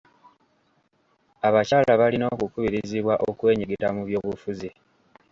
Abakyala balina okukubirizibwa okwenyigira mu by'obufuzi.